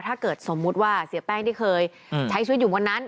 ถ้าเกิดสมมุติว่าเสียแป้งที่เคยใช้ชีวิตอยู่บนนั้น